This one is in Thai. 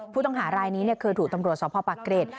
ผู้ต้องหารายนี้เคยถูกตำรวจสภปากเกร็ด